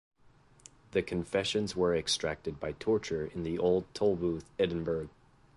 The confessions were extracted by torture in the Old Tolbooth, Edinburgh.